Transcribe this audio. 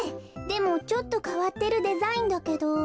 でもちょっとかわってるデザインだけど。